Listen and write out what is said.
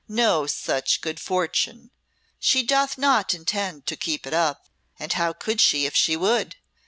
"No such good fortune. She doth not intend to keep it up and how could she if she would?